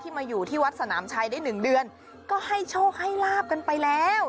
มาอยู่ที่วัดสนามชัยได้หนึ่งเดือนก็ให้โชคให้ลาบกันไปแล้ว